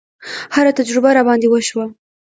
هره تجربه راباندې وشوه.